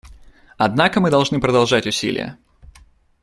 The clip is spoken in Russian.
Однако мы должны продолжать усилия.